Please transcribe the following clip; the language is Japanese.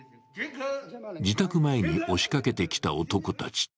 自宅前に押しかけてきた男たち。